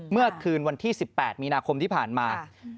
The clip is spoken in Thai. เมื่อคืนวันที่๑๘มีนาคมที่ผ่านมา